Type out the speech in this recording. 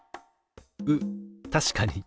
うっ確かに。